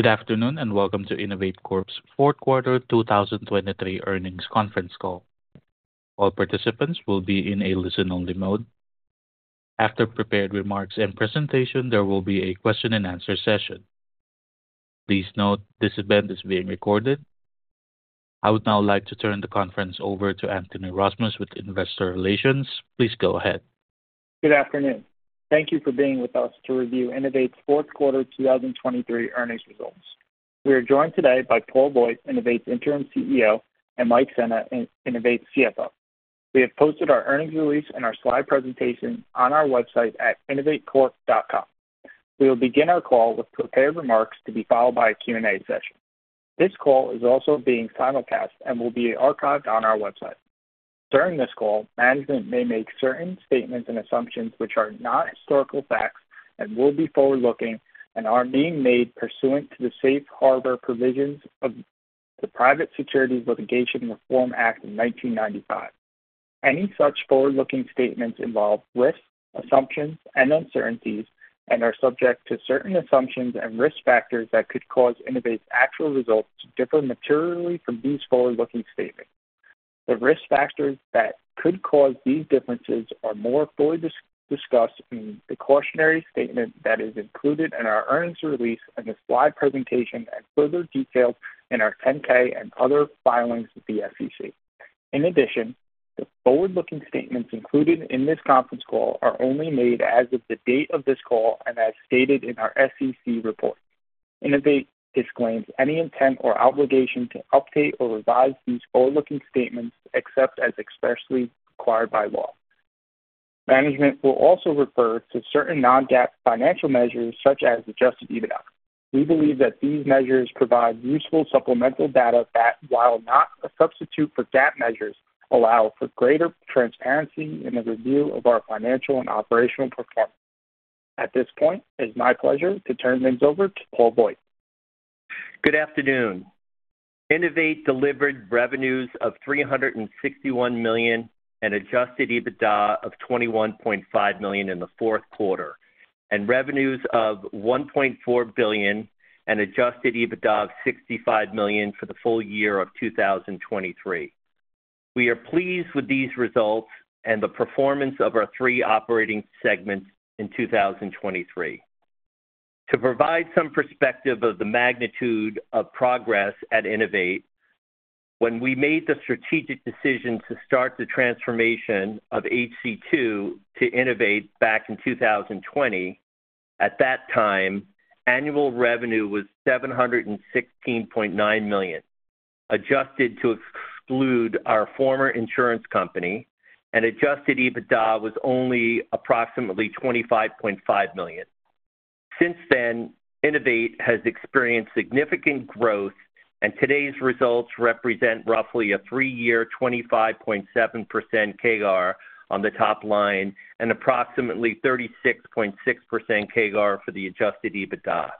Good afternoon and welcome to INNOVATE Corp's 4th quarter 2023 Earnings Conference Call. All participants will be in a listen-only mode. After prepared remarks and presentation, there will be a question-and-answer session. Please note, this event is being recorded. I would now like to turn the conference over to Anthony Rozmus with Investor Relations. Please go ahead. Good afternoon. Thank you for being with us to review INNOVATE's 4th quarter 2023 earnings results. We are joined today by Paul Voigt, INNOVATE's interim CEO, and Mike Sena, INNOVATE's CFO. We have posted our earnings release and our slide presentation on our website at innovatecorp.com. We will begin our call with prepared remarks to be followed by a Q&A session. This call is also being simulcast and will be archived on our website. During this call, management may make certain statements and assumptions which are not historical facts and will be forward-looking and are being made pursuant to the Safe Harbor provisions of the Private Securities Litigation Reform Act of 1995. Any such forward-looking statements involve risks, assumptions, and uncertainties, and are subject to certain assumptions and risk factors that could cause INNOVATE's actual results to differ materially from these forward-looking statements. The risk factors that could cause these differences are more fully discussed in the cautionary statement that is included in our earnings release and the slide presentation and further details in our 10-K and other filings with the SEC. In addition, the forward-looking statements included in this conference call are only made as of the date of this call and as stated in our SEC report. INNOVATE disclaims any intent or obligation to update or revise these forward-looking statements except as expressly required by law. Management will also refer to certain non-GAAP financial measures such as adjusted EBITDA. We believe that these measures provide useful supplemental data that, while not a substitute for GAAP measures, allow for greater transparency in the review of our financial and operational performance. At this point, it is my pleasure to turn things over to Paul Voigt. Good afternoon. INNOVATE delivered revenues of $361 million and adjusted EBITDA of $21.5 million in the 4th quarter, and revenues of $1.4 billion and adjusted EBITDA of $65 million for the full year of 2023. We are pleased with these results and the performance of our three operating segments in 2023. To provide some perspective of the magnitude of progress at INNOVATE, when we made the strategic decision to start the transformation of HC2 to INNOVATE back in 2020, at that time, annual revenue was $716.9 million. Adjusted to exclude our former insurance company, and Adjusted EBITDA was only approximately $25.5 million. Since then, INNOVATE has experienced significant growth, and today's results represent roughly a 3-year 25.7% CAGR on the top line and approximately 36.6% CAGR for the Adjusted EBITDA.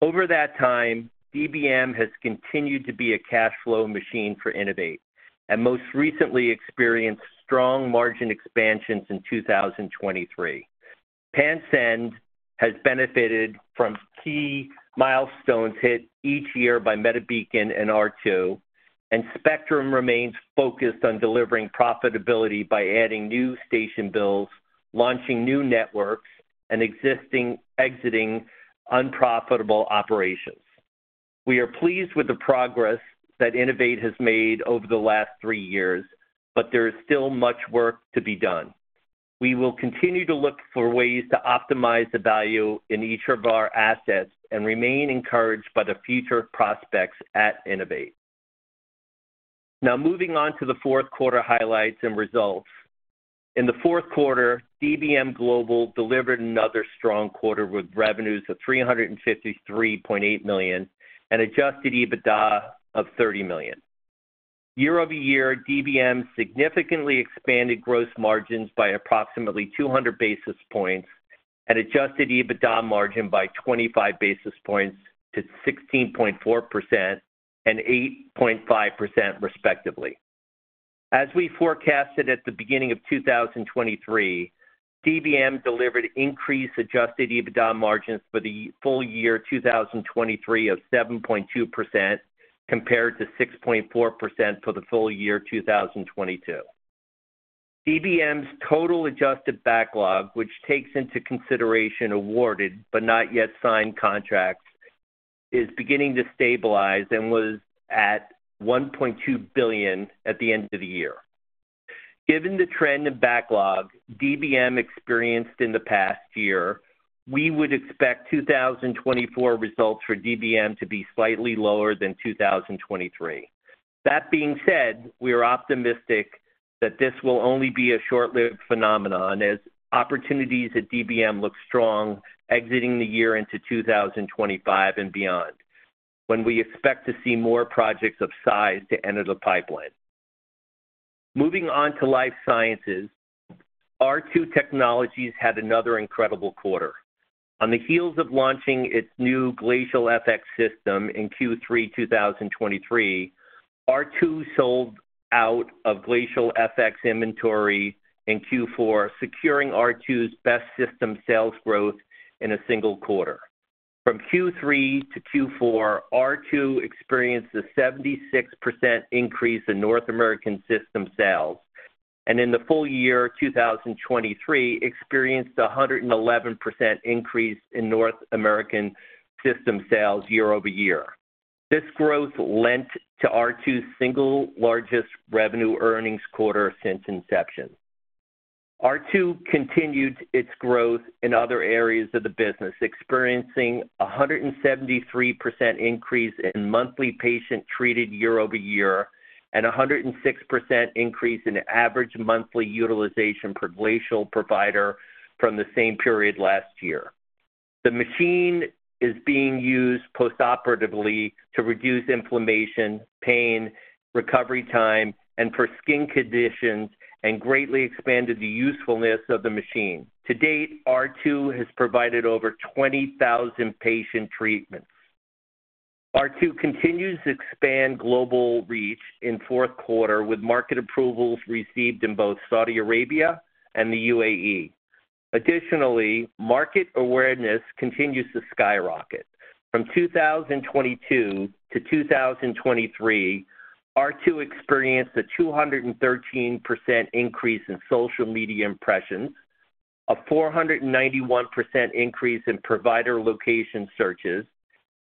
Over that time, DBM has continued to be a cash flow machine for INNOVATE and most recently experienced strong margin expansions in 2023. Pansend has benefited from key milestones hit each year by MediBeacon and R2, and Spectrum remains focused on delivering profitability by adding new station builds, launching new networks, and exiting unprofitable operations. We are pleased with the progress that INNOVATE has made over the last three years, but there is still much work to be done. We will continue to look for ways to optimize the value in each of our assets and remain encouraged by the future prospects at INNOVATE. Now, moving on to the 4th quarter highlights and results. In the 4th quarter, DBM Global delivered another strong quarter with revenues of $353.8 million and Adjusted EBITDA of $30 million. Year-over-year, DBM significantly expanded gross margins by approximately 200 basis points and Adjusted EBITDA margin by 25 basis points to 16.4% and 8.5%, respectively. As we forecasted at the beginning of 2023, DBM delivered increased Adjusted EBITDA margins for the full year 2023 of 7.2% compared to 6.4% for the full year 2022. DBM's total Adjusted Backlog, which takes into consideration awarded but not yet signed contracts, is beginning to stabilize and was at $1.2 billion at the end of the year. Given the trend in backlog DBM experienced in the past year, we would expect 2024 results for DBM to be slightly lower than 2023. That being said, we are optimistic that this will only be a short-lived phenomenon as opportunities at DBM look strong exiting the year into 2025 and beyond, when we expect to see more projects of size to enter the pipeline. Moving on to Life Sciences, R2 Technologies had another incredible quarter. On the heels of launching its new Glacial FX system in Q3 2023, R2 sold out of Glacial FX inventory in Q4, securing R2's best system sales growth in a single quarter. From Q3 to Q4, R2 experienced a 76% increase in North American system sales, and in the full year 2023 experienced a 111% increase in North American system sales year-over-year. This growth led to R2's single largest revenue earnings quarter since inception. R2 continued its growth in other areas of the business, experiencing a 173% increase in monthly patient-treated year-over-year and a 106% increase in average monthly utilization per Glacial provider from the same period last year. The machine is being used postoperatively to reduce inflammation, pain, recovery time, and for skin conditions, and greatly expanded the usefulness of the machine. To date, R2 has provided over 20,000 patient treatments. R2 continues to expand global reach in 4th quarter with market approvals received in both Saudi Arabia and the UAE. Additionally, market awareness continues to skyrocket. From 2022 to 2023, R2 experienced a 213% increase in social media impressions, a 491% increase in provider location searches,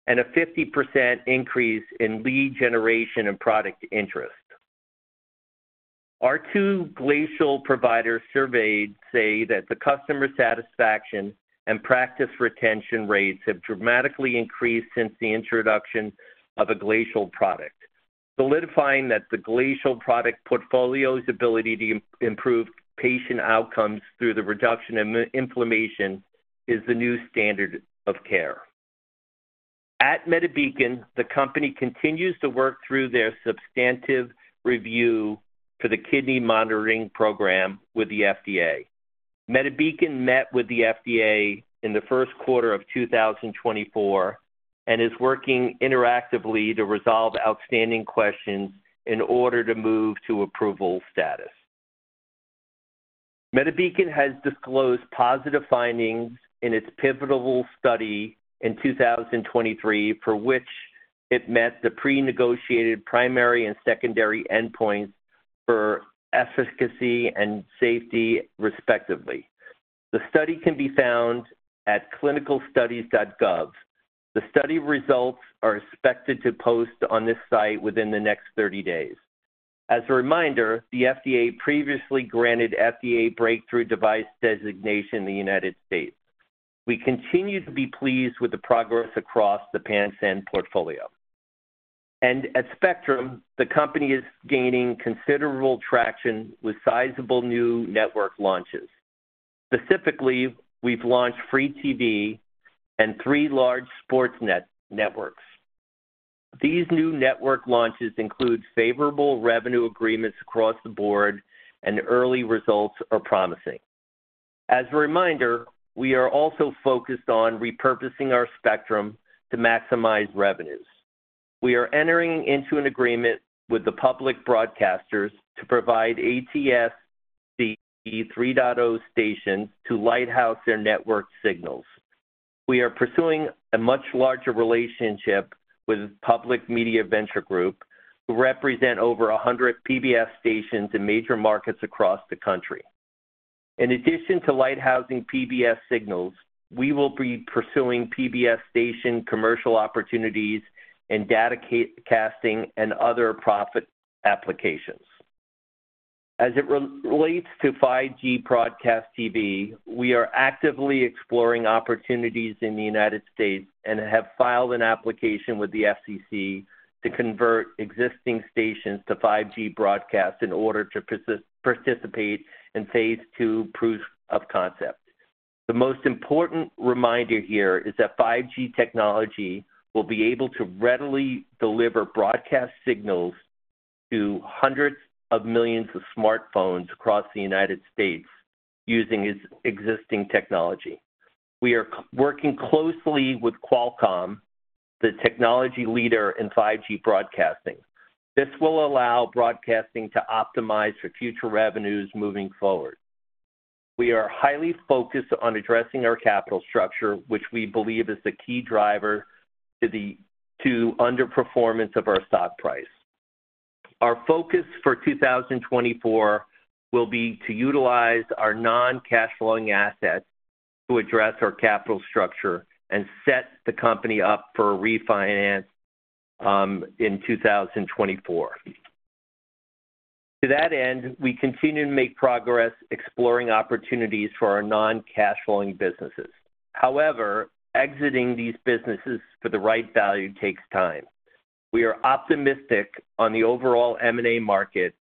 and a 50% increase in lead generation and product interest. R2 Glacial providers surveyed say that the customer satisfaction and practice retention rates have dramatically increased since the introduction of a Glacial product, solidifying that the Glacial product portfolio's ability to improve patient outcomes through the reduction in inflammation is the new standard of care. At MediBeacon, the company continues to work through their substantive review for the kidney monitoring program with the FDA. MediBeacon met with the FDA in the first quarter of 2024 and is working interactively to resolve outstanding questions in order to move to approval status. MediBeacon has disclosed positive findings in its pivotal study in 2023 for which it met the pre-negotiated primary and secondary endpoints for efficacy and safety, respectively. The study can be found at clinicaltrials.gov. The study results are expected to post on this site within the next 30 days. As a reminder, the FDA previously granted FDA Breakthrough Device Designation in the United States. We continue to be pleased with the progress across the Pansend portfolio. And at Spectrum, the company is gaining considerable traction with sizable new network launches. Specifically, we've launched Free TV and three large sports networks. These new network launches include favorable revenue agreements across the board, and early results are promising. As a reminder, we are also focused on repurposing our Spectrum to maximize revenues. We are entering into an agreement with the public broadcasters to provide ATSC 3.0 stations to lighthousing their network signals. We are pursuing a much larger relationship with Public Media Venture Group, who represent over 100 PBS stations in major markets across the country. In addition to lighthousing PBS signals, we will be pursuing PBS station commercial opportunities in datacasting and other profit applications. As it relates to 5G broadcast TV, we are actively exploring opportunities in the United States and have filed an application with the FCC to convert existing stations to 5G broadcast in order to participate in phase two proof of concept. The most important reminder here is that 5G technology will be able to readily deliver broadcast signals to hundreds of millions of smartphones across the United States using its existing technology. We are working closely with Qualcomm, the technology leader in 5G broadcasting. This will allow broadcasting to optimize for future revenues moving forward. We are highly focused on addressing our capital structure, which we believe is the key driver to the underperformance of our stock price. Our focus for 2024 will be to utilize our non-cash flowing assets to address our capital structure and set the company up for a refinance in 2024. To that end, we continue to make progress exploring opportunities for our non-cash flowing businesses. However, exiting these businesses for the right value takes time. We are optimistic on the overall M&A market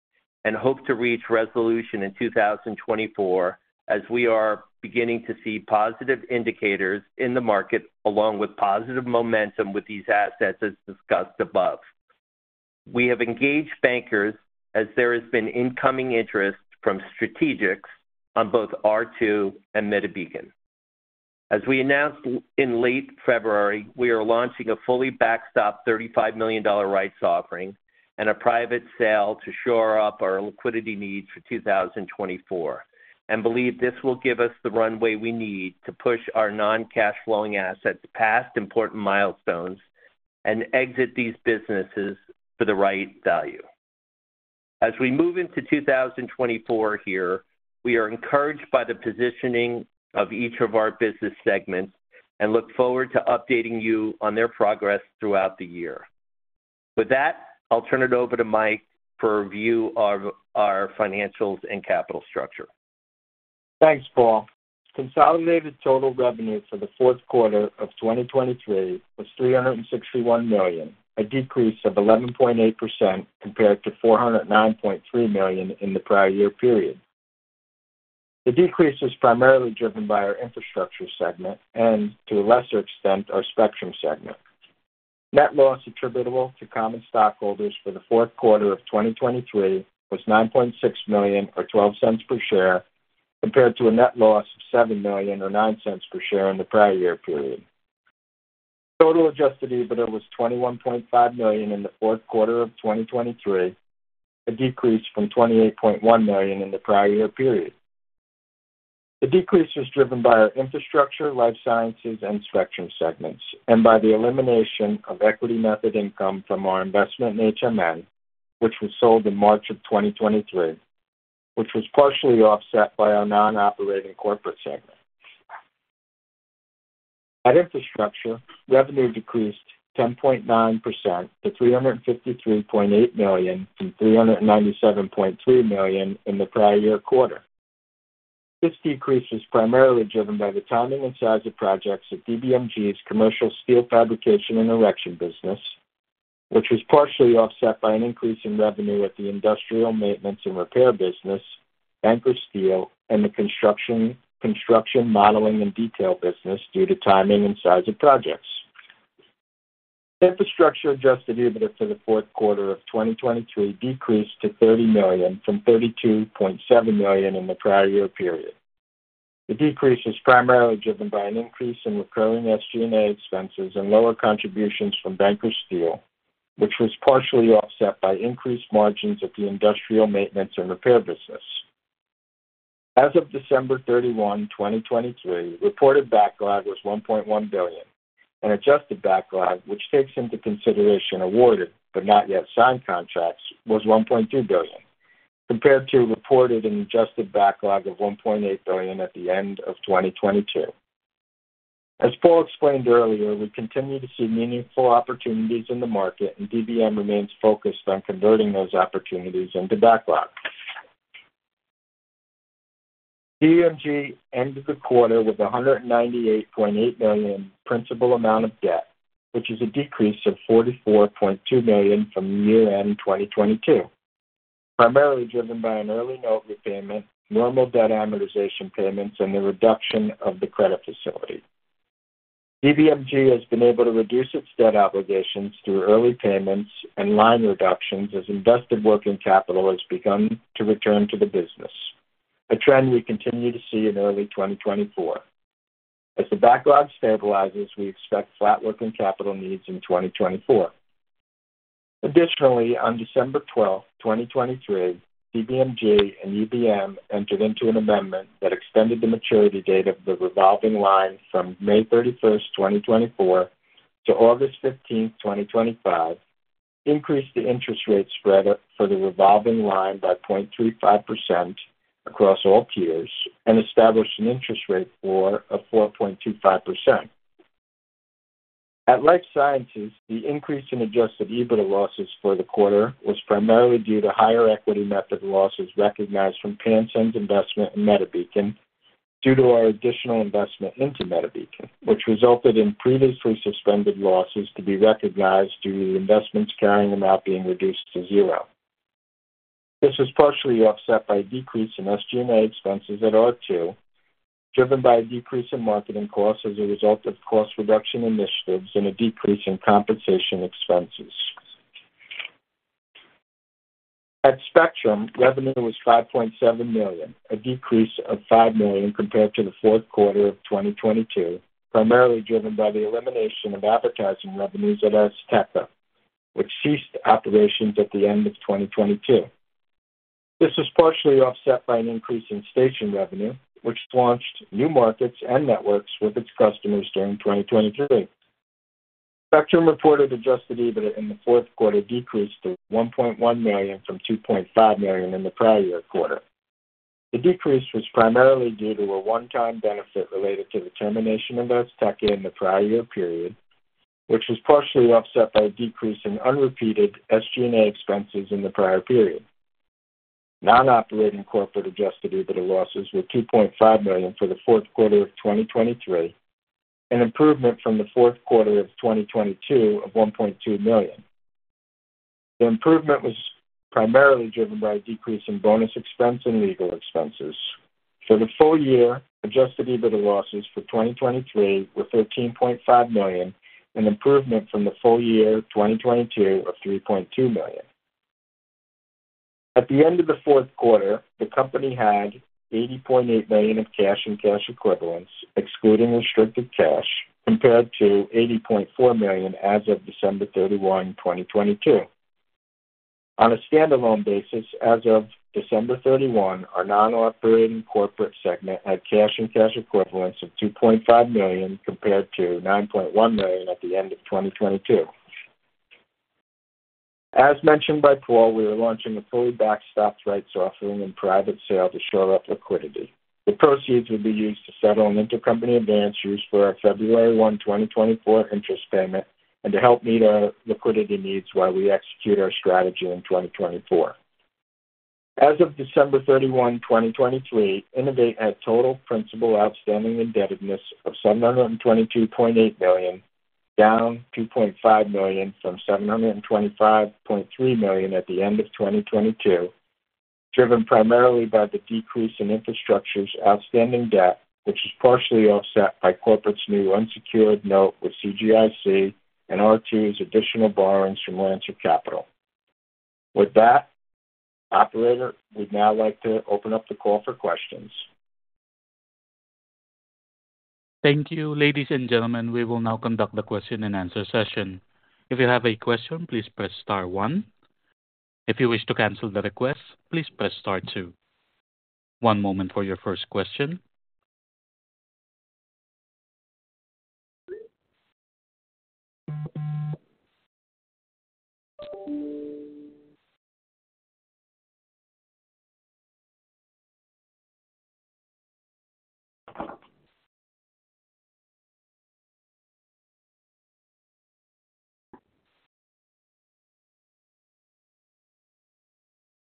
and hope to reach resolution in 2024 as we are beginning to see positive indicators in the market along with positive momentum with these assets, as discussed above. We have engaged bankers as there has been incoming interest from strategics on both R2 and MediBeacon. As we announced in late February, we are launching a fully backstopped $35 million rights offering and a private sale to shore up our liquidity needs for 2024 and believe this will give us the runway we need to push our non-cash flowing assets past important milestones and exit these businesses for the right value. As we move into 2024 here, we are encouraged by the positioning of each of our business segments and look forward to updating you on their progress throughout the year. With that, I'll turn it over to Mike for a review of our financials and capital structure. Thanks, Paul. Consolidated total revenue for the 4th quarter of 2023 was $361 million, a decrease of 11.8% compared to $409.3 million in the prior year period. The decrease was primarily driven by our Infrastructure segment and, to a lesser extent, our Spectrum segment. Net loss attributable to common stockholders for the 4th quarter of 2023 was $9.6 million or $0.12 per share compared to a net loss of $7 million or $0.09 per share in the prior year period. Total Adjusted EBITDA was $21.5 million in the 4th quarter of 2023, a decrease from $28.1 million in the prior year period. The decrease was driven by our Infrastructure, Life Sciences, and Spectrum segments, and by the elimination of equity method income from our investment in HMN, which was sold in March of 2023, which was partially offset by our non-operating corporate segment. At Infrastructure, revenue decreased 10.9% to $353.8 million from $397.3 million in the prior year quarter. This decrease was primarily driven by the timing and size of projects at DBMG's commercial steel fabrication and erection business, which was partially offset by an increase in revenue at the industrial maintenance and repair business, Banker Steel, and the construction, modeling, and detail business due to timing and size of projects. Infrastructure Adjusted EBITDA for the 4th quarter of 2023 decreased to $30 million from $32.7 million in the prior year period. The decrease was primarily driven by an increase in recurring SG&A expenses and lower contributions from Banker Steel, which was partially offset by increased margins at the industrial maintenance and repair business. As of December 31, 2023, reported backlog was $1.1 billion, and adjusted backlog, which takes into consideration awarded but not yet signed contracts, was $1.2 billion compared to reported and adjusted backlog of $1.8 billion at the end of 2022. As Paul explained earlier, we continue to see meaningful opportunities in the market, and DBM remains focused on converting those opportunities into backlog. DBMG ended the quarter with a $198.8 million principal amount of debt, which is a decrease of $44.2 million from year-end 2022, primarily driven by an early note repayment, normal debt amortization payments, and the reduction of the credit facility. DBMG has been able to reduce its debt obligations through early payments and line reductions as invested working capital has begun to return to the business, a trend we continue to see in early 2024. As the backlog stabilizes, we expect flat working capital needs in 2024. Additionally, on December 12, 2023, DBMG and UMB entered into an amendment that extended the maturity date of the revolving line from May 31, 2024, to August 15, 2025, increased the interest rate spread for the revolving line by 0.35% across all tiers, and established an interest rate floor of 4.25%. At Life Sciences, the increase in Adjusted EBITDA losses for the quarter was primarily due to higher equity method losses recognized from Pansend's investment in MediBeacon due to our additional investment into MediBeacon, which resulted in previously suspended losses to be recognized due to the investment's carrying amount being reduced to zero. This was partially offset by a decrease in SG&A expenses at R2, driven by a decrease in marketing costs as a result of cost reduction initiatives and a decrease in compensation expenses. At Spectrum, revenue was $5.7 million, a decrease of $5 million compared to the 4th quarter of 2022, primarily driven by the elimination of advertising revenues at Azteca, which ceased operations at the end of 2022. This was partially offset by an increase in station revenue, which launched new markets and networks with its customers during 2023. Spectrum reported adjusted EBITDA in the 4th quarter decreased to $1.1 million from $2.5 million in the prior year quarter. The decrease was primarily due to a one-time benefit related to the termination of Azteca in the prior year period, which was partially offset by a decrease in unrepeated SG&A expenses in the prior period. Non-operating corporate adjusted EBITDA losses were $2.5 million for the 4th quarter of 2023, an improvement from the 4th quarter of 2022 of $1.2 million. The improvement was primarily driven by a decrease in bonus expense and legal expenses. For the full year, Adjusted EBITDA losses for 2023 were $13.5 million, an improvement from the full year 2022 of $3.2 million. At the end of the 4th quarter, the company had $80.8 million in cash and cash equivalents, excluding restricted cash, compared to $80.4 million as of December 31, 2022. On a standalone basis, as of December 31, our non-operating corporate segment had cash and cash equivalents of $2.5 million compared to $9.1 million at the end of 2022. As mentioned by Paul, we are launching a fully backstopped Rights Offering and private sale to shore up liquidity. The proceeds will be used to settle an intercompany advance used for our February 1, 2024, interest payment and to help meet our liquidity needs while we execute our strategy in 2024. As of December 31, 2023, INNOVATE had total principal outstanding indebtedness of $722.8 million, down $2.5 million from $725.3 million at the end of 2022, driven primarily by the decrease in Infrastructure's outstanding debt, which is partially offset by corporate's new unsecured note with CGIC and R2's additional borrowings from Lancer Capital. With that, operator, we'd now like to open up the call for questions. Thank you. Ladies and gentlemen, we will now conduct the question and answer session. If you have a question, please press star one. If you wish to cancel the request, please press star two. One moment for your first question.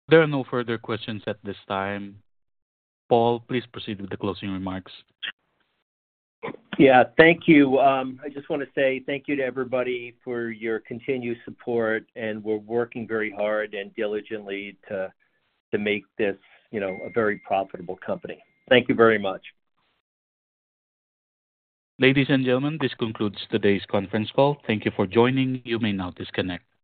There are no further questions at this time. Paul, please proceed with the closing remarks. Yeah. Thank you. I just want to say thank you to everybody for your continued support, and we're working very hard and diligently to make this a very profitable company. Thank you very much. Ladies and gentlemen, this concludes today's conference call. Thank you for joining. You may now disconnect.